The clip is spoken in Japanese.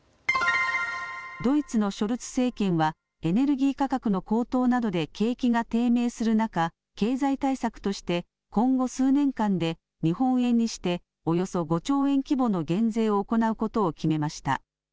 ドイツのショルツ政権はエネルギー価格の高騰などで景気が低迷する中、経済対策として今後、数年間で日本円にしておよそ５兆円規模の減税を行うことを決めました。